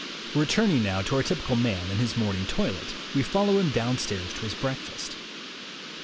Returning now to our typical man and his morn ing toilet, we follow him downstairs to his break fast.